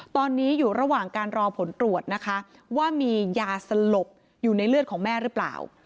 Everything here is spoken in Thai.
ตอนนี้อยู่ระหว่างการรอผลตรวจนะคะว่ามียาสลบอยู่ในเลือดของแม่หรือเปล่า